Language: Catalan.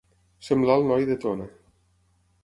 Semblar el noi de Tona.